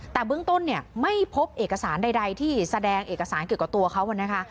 แต่เบื้องต้นเนี่ยไม่พบเอกสารใดที่แสดงเอกสารเกี่ยวกับตัวเขานะคะ